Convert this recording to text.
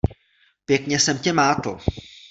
Pěkně jsem tě mátl.